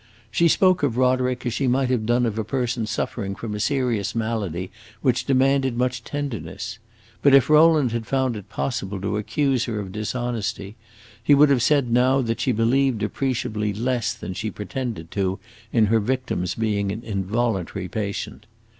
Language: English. She spoke of Roderick as she might have done of a person suffering from a serious malady which demanded much tenderness; but if Rowland had found it possible to accuse her of dishonesty he would have said now that she believed appreciably less than she pretended to in her victim's being an involuntary patient.